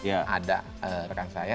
ada rekan saya